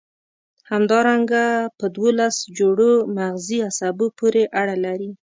همدارنګه په دوولس جوړو مغزي عصبو پورې اړه لري.